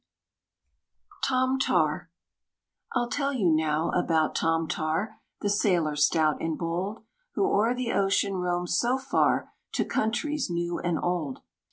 =Tom Tar= I'll tell you now about Tom Tar, The sailor stout and bold, Who o'er the ocean roamed so far, To countries new and old.